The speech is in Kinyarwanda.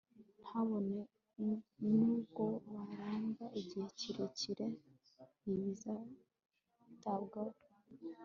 kabone n'ubwo baramba igihe kirekire, ntibazitabwaho